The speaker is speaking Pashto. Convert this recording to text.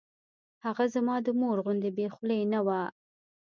هغه زما د مور غوندې بې خولې نه وه.